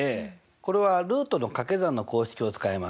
これはルートの掛け算の公式を使います。